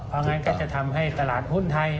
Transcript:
เพราะงั้นก็จะทำให้ตลาดหุ้นไทย